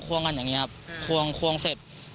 วงกันอย่างนี้ครับควงควงเสร็จ